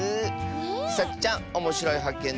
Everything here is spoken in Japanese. さちちゃんおもしろいはっけん